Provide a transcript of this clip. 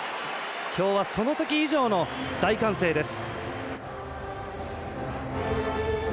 今日はそのとき以上の大歓声です。